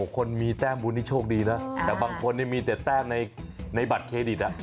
คนมีแต้มบุญนี่โชคดีนะแต่บางคนมีแต่แต้มในบัตรเครดิต